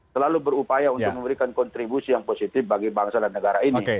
selalu berupaya untuk memberikan kontribusi yang positif bagi bangsa dan negara ini